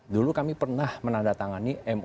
dulu kami pernah menandatangani mou dengan